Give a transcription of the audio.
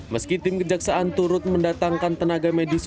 meski tim kejaksaan turut mendatangkan tenaga medis